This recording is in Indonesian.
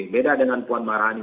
beda dengan puan marani